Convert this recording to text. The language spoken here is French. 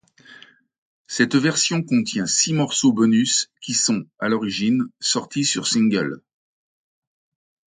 Cette version contient six morceaux bonus qui sont, à l'origine, sortis sur singles.